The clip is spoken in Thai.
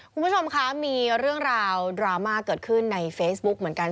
คุณผู้ชมคะมีเรื่องราวดราม่าเกิดขึ้นในเฟซบุ๊กเหมือนกัน